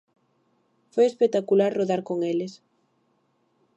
Foi espectacular rodar con eles.